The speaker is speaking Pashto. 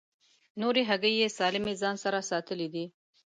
نورې هګۍ یې سالمې له ځان سره ساتلې دي.